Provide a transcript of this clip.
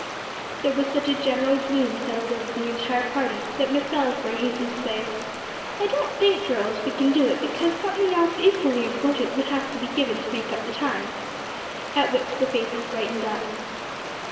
There was such a general gloom settled over the entire party that Miss Salisbury hastened to say, "I don't think, girls, we can do it, because something else equally important would have to be given up to make the time." At which the faces brightened up.